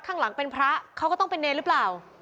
ข้างหลังเป็นพระเขาก็ต้องเป็นเนรหรือเปล่า